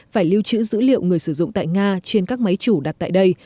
phải lưu trữ dữ liệu người sử dụng tại nga trên các máy chủ đặt tại đây